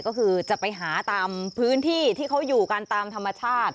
ก็คือจะไปหาตามพื้นที่ที่เขาอยู่กันตามธรรมชาติ